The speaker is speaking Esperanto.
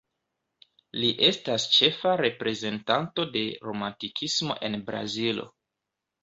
Li estas ĉefa reprezentanto de romantikismo en Brazilo.